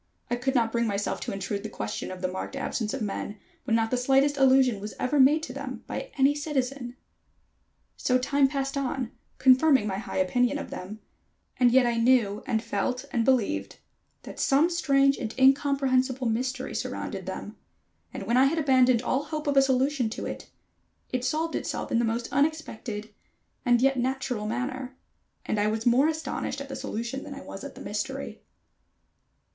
I could not bring myself to intrude the question of the marked absence of men, when not the slightest allusion was ever made to them by any citizen. So time passed on, confirming my high opinion of them, and yet I knew and felt and believed that some strange and incomprehensible mystery surrounded them, and when I had abandoned all hope of a solution to it, it solved itself in the most unexpected and yet natural manner, and I was more astonished at the solution than I was at the mystery.